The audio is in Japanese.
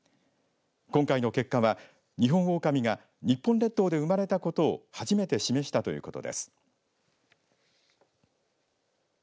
今回の結果はニホンオオカミが日本列島で生まれたことを初めて示したということです。